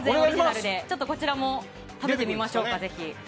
こちらも食べてみましょうか。